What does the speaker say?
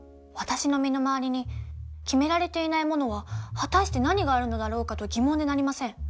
私の身の回りに決められていないものは果たして何があるのだろうかと疑問でなりません。